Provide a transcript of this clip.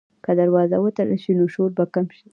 که دروازه وتړل شي، نو شور به کم شي.